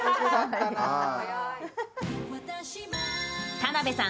田辺さん